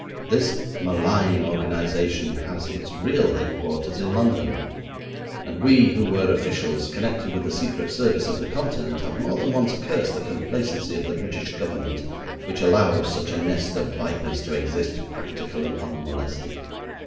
This malign organisation has its real headquarters in London, and we who were officials connected with the Secret Service of the Continent have more than once cursed the complacency of the British Government which allows such a nest of vipers to exist practically unmolested.